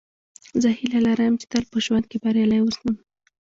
زه هیله لرم، چي تل په ژوند کښي بریالی اوسم.